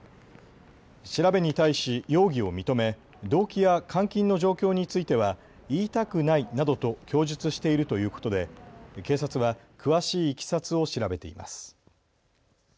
調べに対し容疑を認め、動機や監禁の状況については言いたくないなどと供述しているということで警察は詳しいいきさつを調べています。